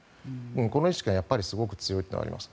この意識がすごく強いというのがあります。